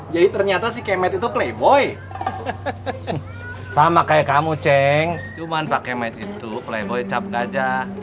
jadi ternyata sih kemet itu playboy sama kayak kamu ceng cuman pakai mati itu playboy cap gajah